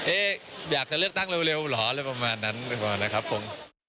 อยากจะเลือกตั้งเร็วเหรออะไรประมาณนั้นไม่พอนะครับผม